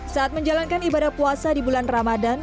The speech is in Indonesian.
saat menjalankan ibadah puasa di bulan ramadan